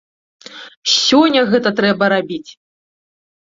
Сёння гэта трэба рабіць!